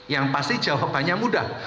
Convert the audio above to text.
yang pasti jawabannya mudah